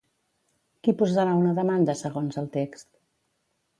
Qui posarà una demanda segons el text?